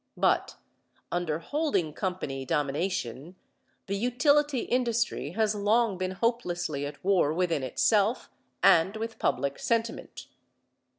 But under holding company domination the utility industry has long been hopelessly at war within itself and with public sentiment.